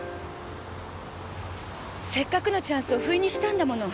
せっかくのチャンスをフイにしたんだもの。